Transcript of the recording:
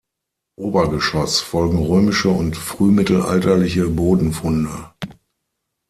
Obergeschoss folgen römische und frühmittelalterliche Bodenfunde.